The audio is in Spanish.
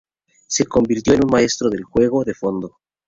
Se convirtió en un maestro del juego de fondo.